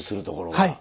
はい。